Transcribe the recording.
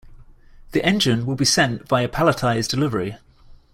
The engine will be sent via palletized delivery.